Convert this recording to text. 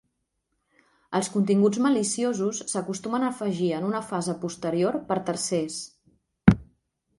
Els continguts maliciosos s'acostumen a afegir en una fase posterior per tercers.